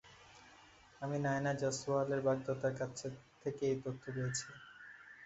আমি নায়না জয়সওয়ালের বাগদত্তার কাছ থেকে এই তথ্য পেয়েছি।